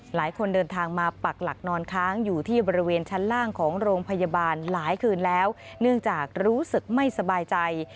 หลายคนเดินทางมาปักหลักนอนค้างอยู่ที่บริเวณชั้นล่างของโรงพยาบาลหลายคืนแล้วเนื่องจากรู้สึกไม่สบายใจ